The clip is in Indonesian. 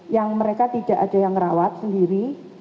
yang mereka tidak ada yang merawat sendiri